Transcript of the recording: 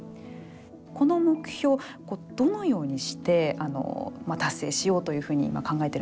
この目標をどのようにして達成しようというふうに考えているんでしょうか。